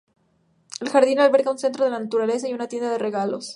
El jardín alberga un centro de la naturaleza y una tienda de regalos.